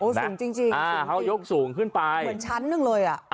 โอ้สูงจริงเขายกสูงขึ้นไปเหมือนชั้นนึงเลยอ่ะ